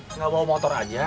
enggak bawa motor aja